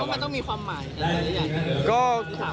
คิดว่ามันต้องมีความหมายอะไรอย่างนี้